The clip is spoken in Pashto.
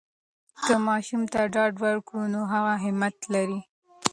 که ماشوم ته ډاډ ورکړو، نو هغه همت لری.